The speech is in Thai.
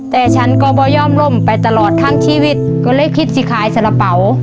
แต่ฉันก็บ่ย่อมล่มไปตลอดทั้งชีวิตก็เลยคิดสิขายสารเป๋า